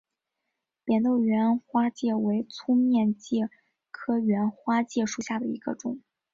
扁豆缘花介为粗面介科缘花介属下的一个种。